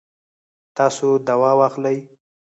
تاسو دوا واخلئ